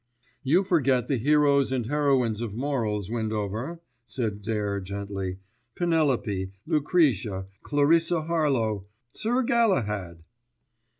"You forget the heroes and heroines of morals, Windover," said Dare gently. "Penelope, Lucrece, Clarissa Harlowe, Sir Galahad."